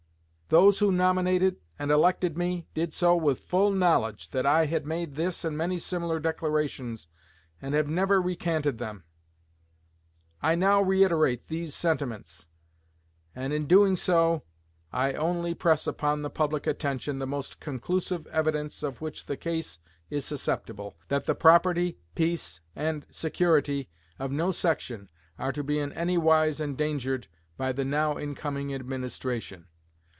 Those who nominated and elected me did so with full knowledge that I had made this and many similar declarations, and have never recanted them.... I now reiterate these sentiments; and, in doing so, I only press upon the public attention the most conclusive evidence of which the case is susceptible, that the property, peace, and security of no section are to be in anywise endangered by the now incoming Administration.